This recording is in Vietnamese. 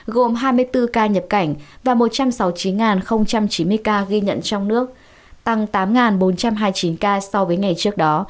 gồm hai mươi bốn ca nhập cảnh và một trăm sáu mươi chín chín mươi ca ghi nhận trong nước tăng tám bốn trăm hai mươi chín ca so với ngày trước đó